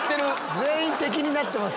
全員敵になってます。